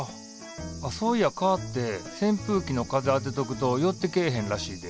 そういやかってせんぷうきの風当てとくと寄ってけえへんらしいで。